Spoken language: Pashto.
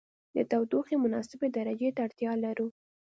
د تودوخې مناسبې درجې ته اړتیا لرو.